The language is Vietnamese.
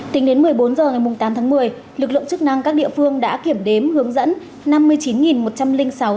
tính đến một mươi bốn h ngày tám tháng một mươi lực lượng chức năng các địa phương đã kiểm đếm hướng dẫn năm mươi chín một trăm linh sáu